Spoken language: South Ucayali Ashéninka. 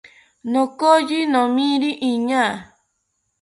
Nokoyi nomiri iñaa